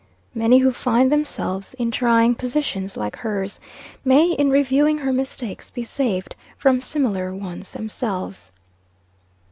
Many who find themselves in trying positions like hers, may, in reviewing her mistakes, be saved from similar ones themselves.